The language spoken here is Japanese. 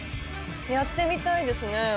やってみたいですね。